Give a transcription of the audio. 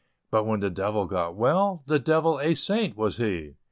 But when the devil got well, The devil a saint was he."